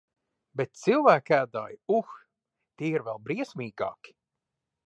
Bet cilvēkēdāji, uh, tie ir vēl briesmīgāki!